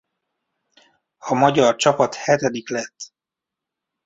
A magyar csapat hetedik lett.